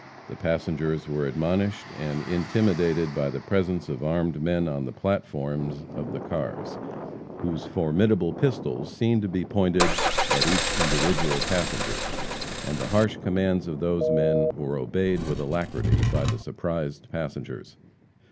The passengers were admonished and intimidated by the presence of armed men on the platforms of the cars, whose formidable pistols seemed to be pointed at each individual passenger, and the harsh commands of those men were obeyed with alacrity by the surprised passengers.